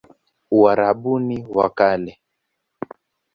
Uarabuni wa Kale